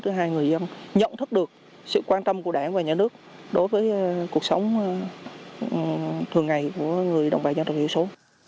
thứ hai người dân nhận thức được sự quan tâm của đảng và nhà nước đối với cuộc sống thường ngày của người đồng bào dân tộc thiểu số